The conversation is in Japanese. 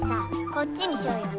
こっちにしようよ。